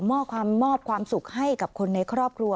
มอบความสุขให้กับคนในครอบครัว